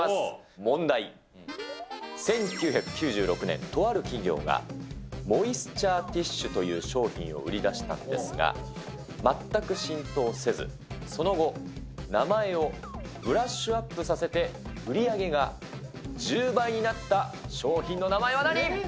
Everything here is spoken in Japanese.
問題、１９９６年、とある企業がモイスチャーティシュという商品を売り出したんですが、全く浸透せず、その後、名前をブラッシュアップさせて売り上げが１０倍になった商品の名前は何？